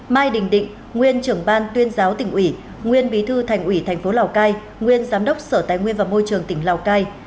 mai đình định nguyên trưởng ban tuyên giáo tỉnh ủy nguyên bí thư thành ủy tp lào cai nguyên giám đốc sở tài nguyên và môi trường tỉnh lào cai